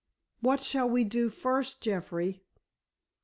What shall we do first, Jeffrey?"